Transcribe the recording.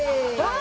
あ！